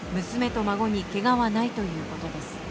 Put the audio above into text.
娘と孫にけがはないということです。